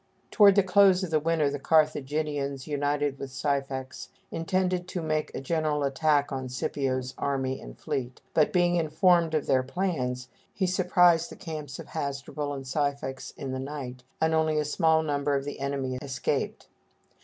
Toward the close of the winter the Carthaginians, united with Syphax, intended to make a general attack on Scipio's army and fleet, but being informed of their plans, he surprised the camps of Hasdrubal and Syphax in the night, and only a small number of the enemy escaped.